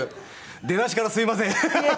出だしからすみません。